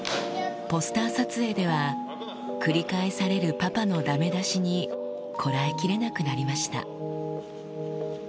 ポスター撮影では繰り返されるパパのダメ出しにこらえきれなくなりました